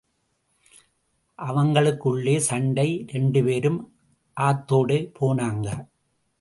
அவங்களுக்குள்ளே சண்டை, ரெண்டுபேரும் ஆத்தோட போனாங்க!